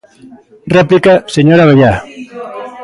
Réplica, señor Abellá.